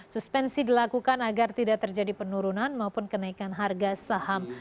suspensi dilakukan agar tidak terjadi penurunan maupun kenaikan harga saham